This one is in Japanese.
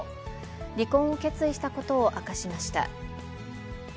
離婚を決意したことを明かしました。